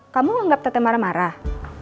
kamu anggap tete marah marah